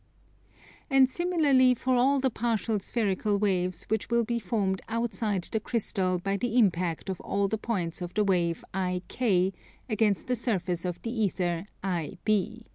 And similarly for all the partial spherical waves which will be formed outside the crystal by the impact of all the points of the wave IK against the surface of the Ether IB.